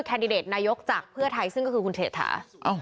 แดดิเดตนายกจากเพื่อไทยซึ่งก็คือคุณเศรษฐา